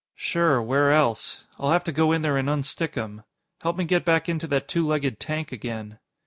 "Sure. Where else? I'll have to go in there and unstick 'em. Help me get back into that two legged tank again."